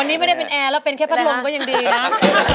อันนี้ไม่ได้เป็นแอร์แล้วเป็นแค่พัดลมก็ยังดีนะ